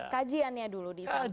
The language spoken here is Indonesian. kajiannya dulu disampaikan